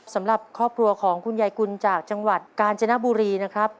สำหรับครอบครัวของคุณยายกุลจากจังหวัดกาญจนบุรีนะครับ